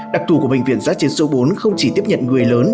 đặc thù của bệnh viện giá chiến số bốn không chỉ tiếp nhận người lớn